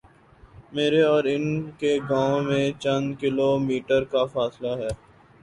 میرے اور ان کے گاؤں میں چند کلو میٹرکا فاصلہ ہے۔